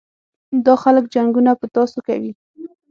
دا خلک جنګونه په تاسو کوي.